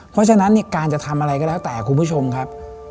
เพราะฉะนั้นเนี่ยการจะทำอะไรก็แล้วแต่คุณผู้ชมครับ